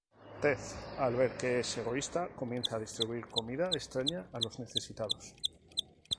Ted, al ver que es egoísta, comienza a distribuir comida extraña a los necesitados.